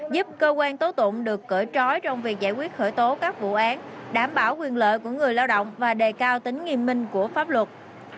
giúp cơ quan tố tụng được cỡ trói trong việc giải quyết khởi tố các vụ án đảm bảo quyền lợi của người lao động và đề cao tính nghiêm minh của pháp luật